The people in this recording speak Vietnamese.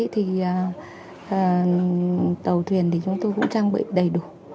thì tàu thuyền thì chúng tôi cũng trang bị đầy đủ